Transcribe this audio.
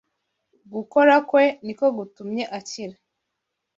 Ugukora kwe ni uko gutumye akira